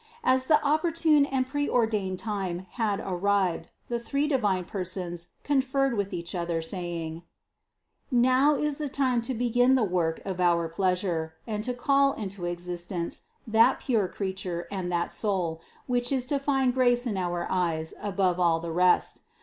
As the opportune and pre ordained time had arrived, the three divine Persons conferred with each other saying : "Now is the time to begin the work of our pleasure and to call into existence that pure Creature and that soul, which is to find grace in our eyes above all the rest.